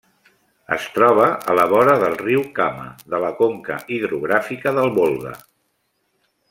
Es troba a la vora del riu Kama, de la conca hidrogràfica del Volga.